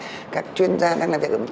còn các chuyên gia đang làm việc ở một trường